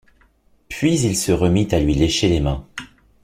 Puis il se remit à lui lécher les mains.